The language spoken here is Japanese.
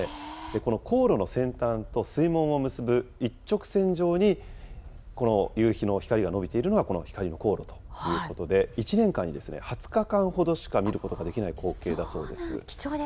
この航路の先端と水門を結ぶ一直線上に、この夕日の光が伸びているのが、この光りの航路ということで、１年間に２０日間ほどしか見ることができない光景だそうです。